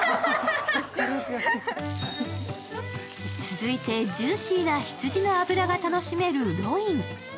続いて、ジューシーな羊の脂が楽しめるロイン。